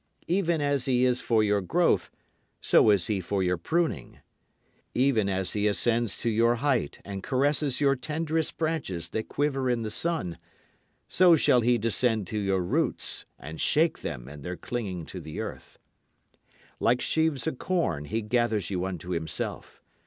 Even as he is for your growth so is he for your pruning. Even as he ascends to your height and caresses your tenderest branches that quiver in the sun, So shall he descend to your roots and shake them in their clinging to the earth. Like sheaves of corn he gathers you unto himself.